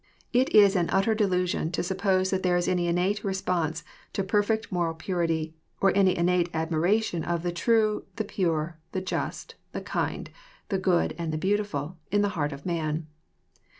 It is an utter delusion to sup pose that there is any innate response to perfect moral purity, or any innate admiration of the true, the pure, the just, the kind, the good, and the beautifhl,'* in the heart of man.